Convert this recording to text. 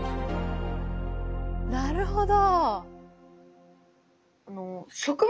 なるほど。